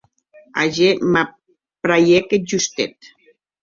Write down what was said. Ager m’apraièc un justet.